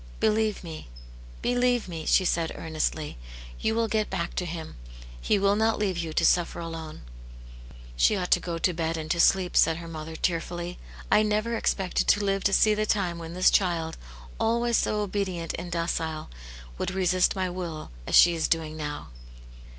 Believe me, believe me," she said earnestly, " you will get back to Him ; He will not leave you to suffer alone." " She ought to go to bed and to sleep/' said her mother, tearfully. " I never expected to live to see the time when this child, always so obedient and docile, would resist my will as she is doing now."